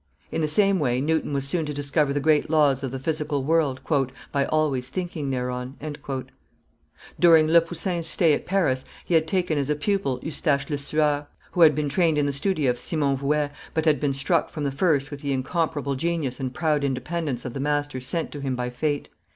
In the same way Newton was soon to discover the great laws of the physical world, by always thinking thereon." [Illustration: Le Poussin and Claude Lorrain 675] During Le Poussin's stay at Paris he had taken as a pupil Eustache Lesueur, who had been trained in the studio of Simon Vouet, but had been struck from the first with the incomparable genius and proud independence of the master sent to him by fate.